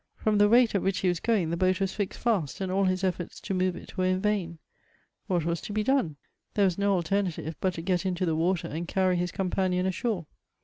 From the rate at which he was going the boat was fixed fast, and all his efforts to inove it were in vain. What was to be done ? There was no alternative but to get into the water and carry his companion ashore.